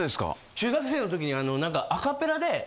中学生の時に何か。